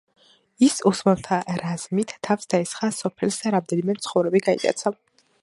ის ოსმალთა რაზმით თავს დაესხა სოფელს და რამდენიმე მცხოვრები გაიტაცა.